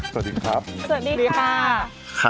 สวัสดีครับสวัสดีค่ะ